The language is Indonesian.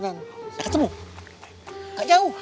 ada turunan bapak ikut ada turunan